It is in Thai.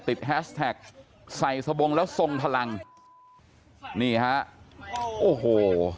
แฮสแท็กใส่สบงแล้วทรงพลังนี่ฮะโอ้โห